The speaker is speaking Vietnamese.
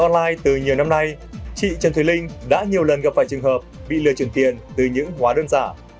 online từ nhiều năm nay chị trần thùy linh đã nhiều lần gặp phải trường hợp bị lừa chuyển tiền từ những hóa đơn giả